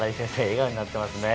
笑顔になってますね。